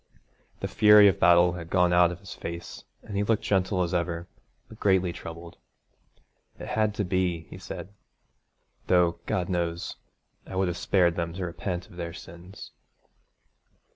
The fury of battle had gone out of his face, and he looked gentle as ever, but greatly troubled. 'It had to be,' he said, 'though, God knows, I would have spared them to repent of their sins.'